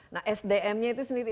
nah sdmnya itu sendiri